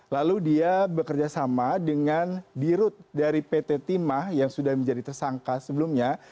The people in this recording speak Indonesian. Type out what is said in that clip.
lalu dia bekerja sama dengan dirut dari pt timah yang sudah menjadi tersangka sebelumnya